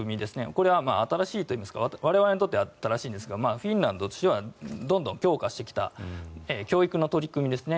これは新しいといいますか我々にとっては新しいんですがフィンランドはどんどん強化してきた取り組みですね。